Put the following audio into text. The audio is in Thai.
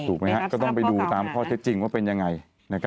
ถูกไหมครับก็ต้องไปดูตามข้อเท็จจริงว่าเป็นอย่างไร